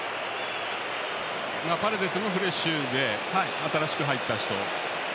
パレデスもフレッシュで新しく入った人。